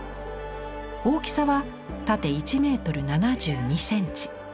大きさは縦１メートル７２センチ。